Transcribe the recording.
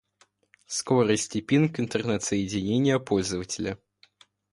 Скорость и пинг интернет-соединения пользователя